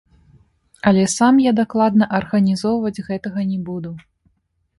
Але сам я дакладна арганізоўваць гэтага не буду.